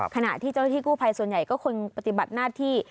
ขณะที่เจ้าหน้าที่กู้ภัยส่วนใหญ่ก็คงปฏิบัติหน้าที่